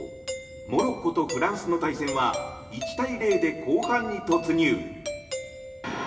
モロッコとフランスの対戦は１対０で後半に突入。